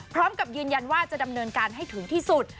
พร้อมกับยืนยันว่าจะดำเนินการให้ถึงที่สุด